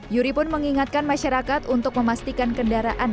yuri pun mengingatkan masyarakat untuk memastikan kendaraan